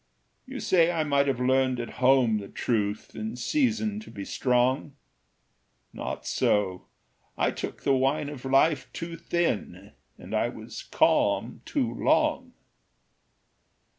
"You say I might have learned at home The truth in season to be strong? Not so; I took the wine of life Too thin, and I was calm too long.